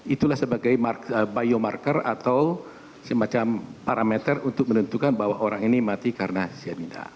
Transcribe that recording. itulah sebagai biomarker atau semacam parameter untuk menentukan bahwa orang ini mati karena cyanida